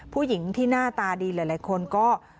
ผู้หญิงที่หน้าตาดีหลายคนก็